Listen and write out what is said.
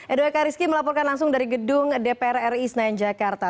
edo ekariski melaporkan langsung dari gedung dpr ri senayan jakarta